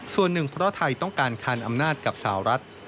ส่วนหนึ่งเพราะไทยต้องการคานอำนาจกับสาวรัฐ